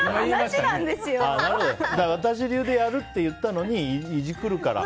私流でやるって言ったのにいじくるから。